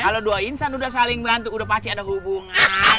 kalau dua insan udah saling bantu udah pasti ada hubungan